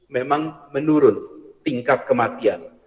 memang menurun tingkat kematian